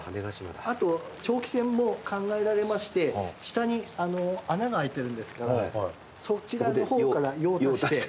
あと長期戦も考えられまして下に穴が開いてるんですけどそちらの方から用を足して。